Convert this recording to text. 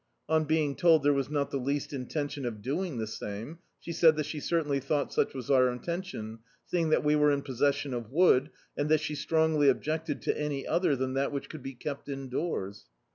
On being told there was not the least intention of doing the same, she said that she certainly thought such was our intention, seeing that we were in possession of wood, and that she strongly objected to any other than that which could be kept indoors.